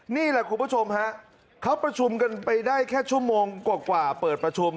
นี่แหละคุณผู้ชมฮะเขาประชุมกันไปได้แค่ชั่วโมงกว่าเปิดประชุม